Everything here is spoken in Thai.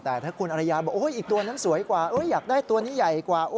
แต่ถ้าคุณอริยาบอกอีกตัวนั้นสวยกว่าอยากได้ตัวนี้ใหญ่กว่า